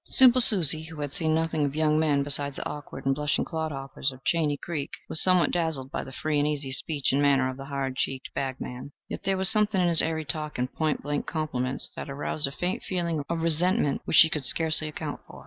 Simple Susie, who had seen nothing of young men besides the awkward and blushing clodhoppers of Chaney Creek, was somewhat dazzled by the free and easy speech and manner of the hard cheeked bagman. Yet there was something in his airy talk and point blank compliments that aroused a faint feeling of resentment which she could scarcely account for.